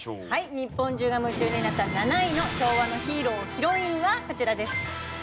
日本中が夢中になった７位の昭和のヒーロー＆ヒロインはこちらです。